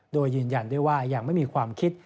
โดยยืนยันได้ว่ายังไม่มีความคิด